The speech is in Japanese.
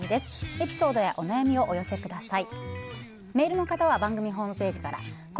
エピソードやお悩みをお寄せください。